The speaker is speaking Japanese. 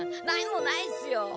何もないっすよ